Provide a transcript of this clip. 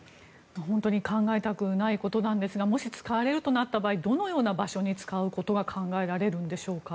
本当に考えたくないことなんですがもし使われるとなった場合どのような場所に使われることが考えられるでしょうか。